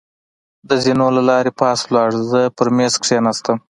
د زېنو له لارې پاس ولاړ، زه پر مېز کېناستم.